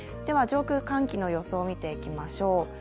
上空寒気の予想を見ていきましょう。